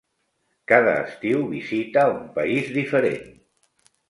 Cada estiu visita un país diferent.